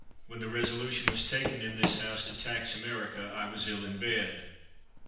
When the resolution was taken in this House to tax America, I was ill in bed.